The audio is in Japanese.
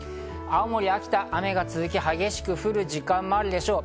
青森や秋田、雨が続き、激しく降る時間もあるでしょう。